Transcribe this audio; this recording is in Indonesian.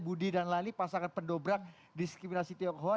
budi dan lali pasangan pendobrak diskriminasi tionghoa